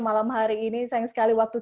malam hari ini sayang sekali waktu